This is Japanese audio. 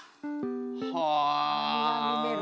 はあ。